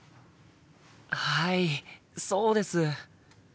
はいそうです。